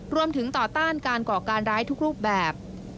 รวมถึงต่อต้านการก่อการร้ายทุกรูปแบบ